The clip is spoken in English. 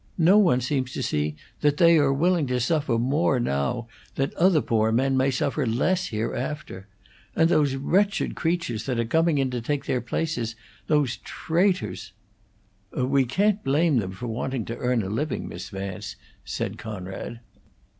No one seems to see that they are willing to suffer more now that other poor men may suffer less hereafter. And those wretched creatures that are coming in to take their places those traitors " "We can't blame them for wanting to earn a living, Miss Vance," said Conrad.